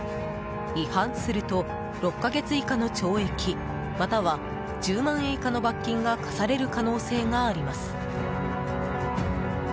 違反すると６か月以下の懲役または１０万円以下の罰金が科される可能性があります。